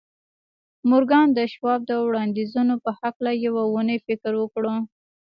مورګان د شواب د وړاندیزونو په هکله یوه اونۍ فکر وکړ